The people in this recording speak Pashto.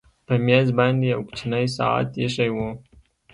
په مېز باندې یو کوچنی ساعت ایښی و